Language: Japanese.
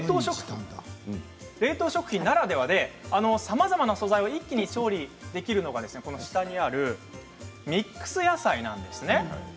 冷凍食品ならではでさまざまな素材を一気に調理できるのがこの下にあるミックス野菜なんですね。